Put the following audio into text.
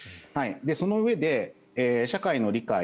そのうえで、社会の理解